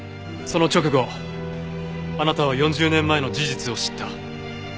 その直後あなたは４０年前の事実を知った。